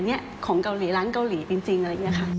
พี่ก็คิดว่า